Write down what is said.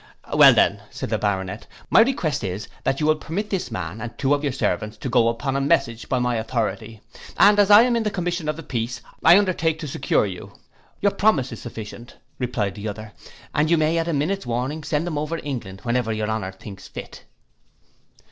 '—'Well then,' said the Baronet, 'my request is, that you will permit this man and two of your servants to go upon a message by my authority, and as I am in the commission of the peace, I undertake to secure you.'—'Your promise is sufficient,' replied the other, 'and you may at a minute's warning send them over England whenever your honour thinks fit.